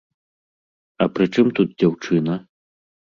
А прычым тут дзяўчына?